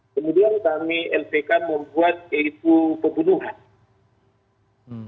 kemudian kami lpk membuat yaitu pembunuhan